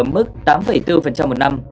mức tám bốn một năm